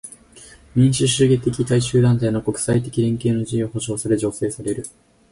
民主主義的大衆団体の国際的連携の自由は保障され助成される。